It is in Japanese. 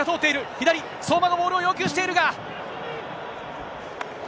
左、相馬がボールを要求しているが。